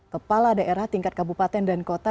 kepala daerah tingkat kabupaten dan kota